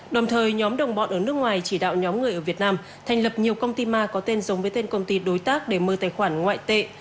đồng thời nhóm đồng bọn ở nước ngoài chỉ đạo nhóm người ở việt nam thành lập nhiều công ty ma có tên giống với tên công ty đối tác để mơ tài khoản ngoại tệ